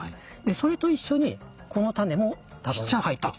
それと一緒にこの種も多分入ってきた。